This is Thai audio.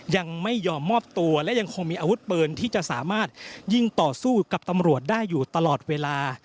ยังไม่ยอมมอบตัวและยังคงมีอาวุธปืนที่จะสามารถยิงต่อสู้กับตำรวจได้อยู่ตลอดเวลา